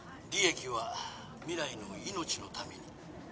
利益は未来の命のために。